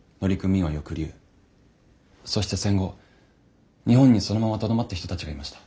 そして戦後日本にそのままとどまった人たちがいました。